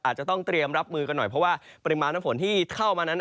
อาจจะต้องเตรียมรับมือกันหน่อยเพราะว่าปริมาณน้ำฝนที่เข้ามานั้น